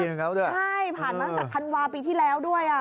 ใช่ผ่านมาตั้งแต่ธนาภาพีที่แล้วด้วย